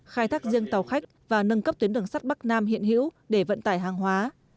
khai thác riêng tàu khách và nâng cấp tuyến đường sắt bắc nam hiện hữu để vận tải hàng hóa